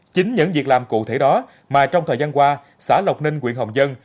chính những việc làm cụ thể đó mà trong thời gian qua xã lộc ninh quyện hồng dân